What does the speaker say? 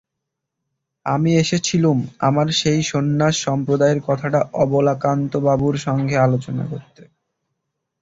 আমি এসেছিলুম আমার সেই সন্ন্যাস-সম্প্রদায়ের কথাটা অবলাকান্তবাবুর সঙ্গে আলোচনা করতে।